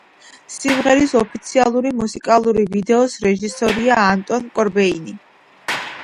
სიმღერის ოფიციალური მუსიკალური ვიდეოს რეჟისორია ანტონ კორბეინი.